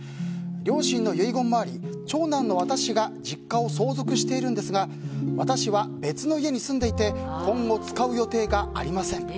両親の遺言もあり長男の私が実家を相続しているんですが私は別の家に住んでいて今後、使う予定がありません。